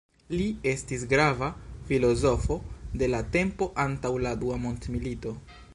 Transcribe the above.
Li estis grava filozofo de la tempo antaŭ la dua mondmilito.